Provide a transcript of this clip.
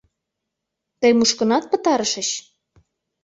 — Тый мушкынат пытарышыч?